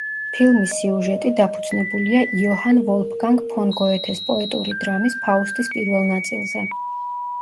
ფილმის სიუჟეტი დაფუძნებულია იოჰან ვოლფგანგ ფონ გოეთეს პოეტური დრამის „ფაუსტის“ პირველ ნაწილზე.